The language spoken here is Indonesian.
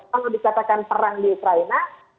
kalau dikatakan perang di ukraina